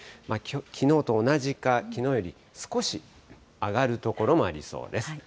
きのうと同じか、きのうより少し上がる所もありそうです。